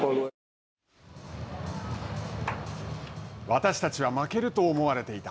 私たちは負けると思われていた。